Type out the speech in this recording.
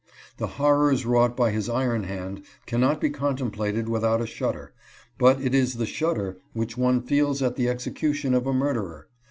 The horrors wrought by his iron hand cannot be contemplated without a shudder, but it is the shudder which one feels at the execution of a murderer.